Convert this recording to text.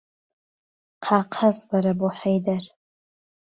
قاقەز بەره بۆ ههيدەر